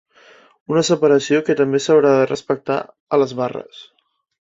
Una separació que també s’haurà de respectar a les barres.